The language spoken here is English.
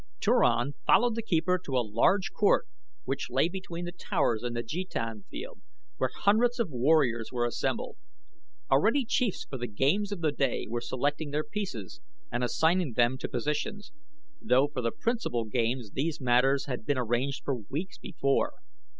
Turan followed the keeper to a large court which lay between the towers and the jetan field, where hundreds of warriors were assembled. Already chiefs for the games of the day were selecting their pieces and assigning them to positions, though for the principal games these matters had been arranged for weeks before.